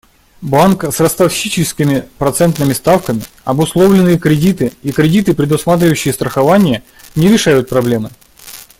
Банк с ростовщическими процентными ставками, обусловленные кредиты и кредиты, предусматривающие страхование, не решают проблемы.